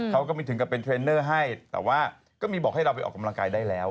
ก็ไม่ถึงกับเป็นเทรนเนอร์ให้แต่ว่าก็มีบอกให้เราไปออกกำลังกายได้แล้ว